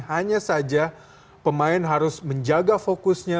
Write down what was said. hanya saja pemain harus menjaga fokusnya